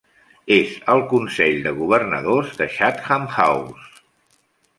És al consell de governadors de Chatham House.